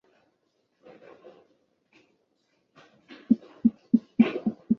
拉兰德人口变化图示